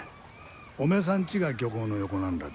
おめさんちが漁港の横なんらて。